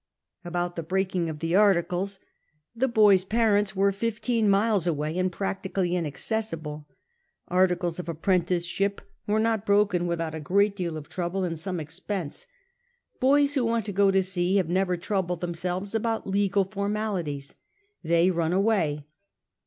About the breaking of the articles, the bov's jxirtfuts were fifteen miles away, and luactically iiiaccessiblq ; articles of apprenticeship were not bi oken withojit a great deal of trouble an<l some expense ; boys who want to go to sea have never troubled themselves about legal formalities; they run away.